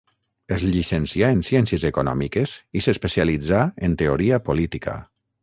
Es llicencià en ciències econòmiques i s'especialitzà en Teoria Política.